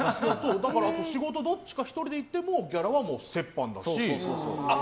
だから、あと仕事にどっちか１人で行ってもギャラは折半だし。